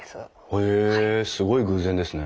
へえすごい偶然ですね。